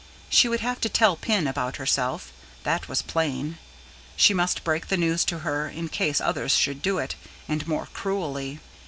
She would have to tell Pin about herself that was plain: she must break the news to her, in case others should do it, and more cruelly.